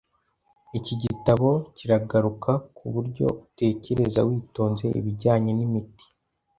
Iki gitabo kiragaruka ku buryo utekereza witonze ibijyanye n'imiti,